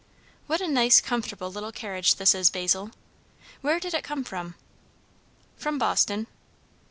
"What a nice, comfortable little carriage this is, Basil! Where did it come from?" "From Boston."